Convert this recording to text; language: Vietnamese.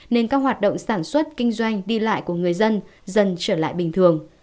nên các hoạt động sản xuất kinh doanh đi lại của người dân dần trở lại bình thường